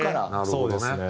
そうですね。